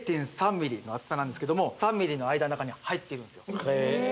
０．３ｍｍの厚さなんですけども３ｍｍの間の中に入ってるんですよへえ